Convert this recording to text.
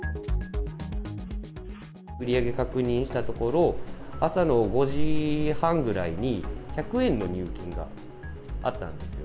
売り上げ確認したところ、朝の５時半ぐらいに１００円の入金があったんですよ。